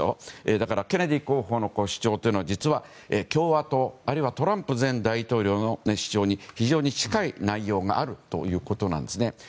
だからケネディ候補の主張は実は共和党あるいはトランプ前大統領の主張に非常に近い内容があるということなんです。